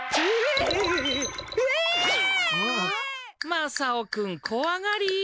まさおくんこわがり。